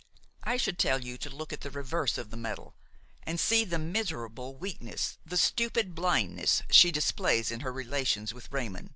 I should tell you to look at the reverse of the medal, and see the miserable weakness, the stupid blindness she displays in her relations with Raymon.